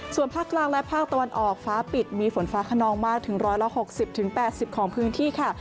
ส่วนภาคกลางและภาคตะวันออกฟ้าปิดมีฝนฟ้าขนองมากถึง๑๖๐๘๐ของพื้นที่ค่ะ